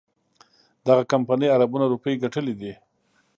دغه کمپنۍ اربونه روپۍ ګټلي دي.